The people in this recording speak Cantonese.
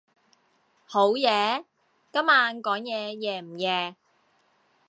好夜？今晚講嘢夜唔夜？